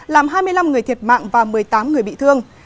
làm hai mươi năm người thiệt mạng và một mươi tám người bị thương